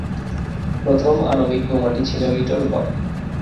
প্রথম আণবিক বোমাটি ছিল লিটল বয়।